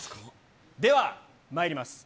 ではまいります。